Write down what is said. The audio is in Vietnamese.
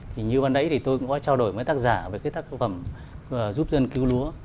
thì như ban nãy thì tôi cũng có trao đổi với tác giả về cái tác phẩm giúp dân cứu lúa